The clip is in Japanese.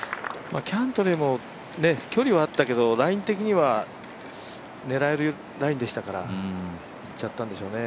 キャントレーも距離はあったけど、ライン的には狙えるラインでしたからいっちゃったんでしょうね。